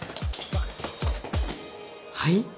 はい？